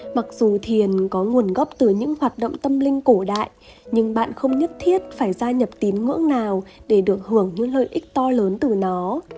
mặc dù thiền có nguồn gốc từ những hoạt động tâm linh cổ đại nhưng bạn không nhất thiết phải gia nhập tín ngưỡng nào để được hưởng những lợi ích to lớn từ nó